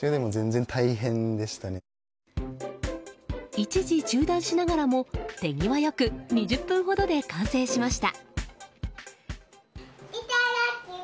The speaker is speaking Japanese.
一時中断しながらも手際よく２０分ほどで完成しました。